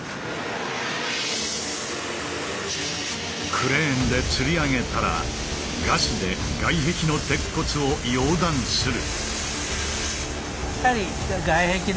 クレーンでつり上げたらガスで外壁の鉄骨を溶断する。